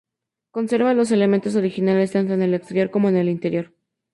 Conserva los elementos originales tanto en el exterior como en el interior.